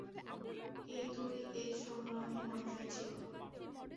এই দুই-এর সংগ্রামই মানুষের জীবন।